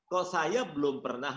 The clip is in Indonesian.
kalau saya belum pernah